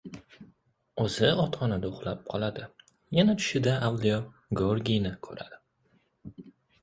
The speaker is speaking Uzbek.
• O‘zi otxonada uxlab qoladi, yana tushida Avliyo Georgiyni ko‘radi.